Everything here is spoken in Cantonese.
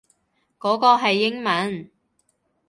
嗰個係英文